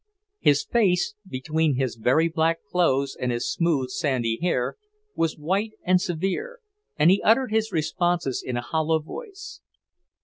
His face, between his very black clothes and his smooth, sandy hair, was white and severe, and he uttered his responses in a hollow voice.